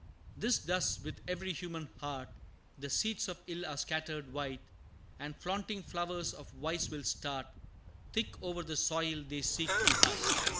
'Tis thus with every human heart; The seeds of ill are scattered wide, And flaunting flowers of vice will start Thick o'er the soil they seek to hide.